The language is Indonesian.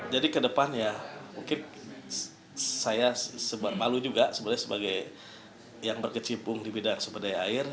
jadi ke depan ya mungkin saya malu juga sebagai yang berkecipung di bidang sumber daya air